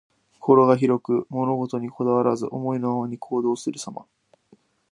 心が広く、物事にこだわらず、思いのままに行動するさま。